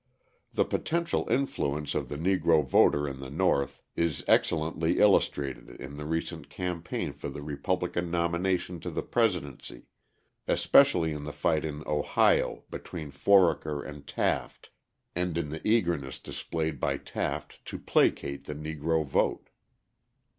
The potential influence of the Negro voter in the North is excellently illustrated in the recent campaign for the Republican nomination to the Presidency, especially in the fight in Ohio between Foraker and Taft and in the eagerness displayed by Taft to placate the Negro vote.